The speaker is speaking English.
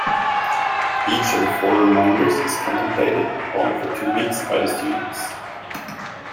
Each of the four reminders is contemplated upon for two weeks by the student.